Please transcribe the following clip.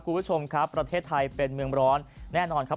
คุณผู้ชมครับประเทศไทยเป็นเมืองร้อนแน่นอนครับ